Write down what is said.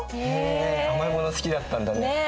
へえ甘いもの好きだったんだね。